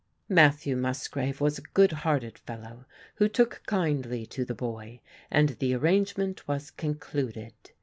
Matthew Musgrave was a good hearted fellow, who took kindly to the boy and the arrangement was concluded.